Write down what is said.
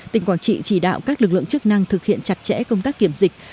tỉnh quảng trị chỉ đạo các lực lượng chức năng thực hiện chặt chẽ công tác kiểm dịch